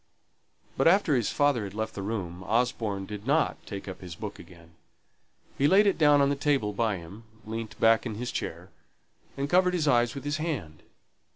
But after his father had left the room Osborne did not take up his book again. He laid it down on the table by him, leant back in his chair, and covered his eyes with his hand.